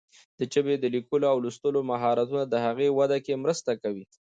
د ژبې د لیکلو او لوستلو مهارتونه د هغې وده کې مرسته کوي.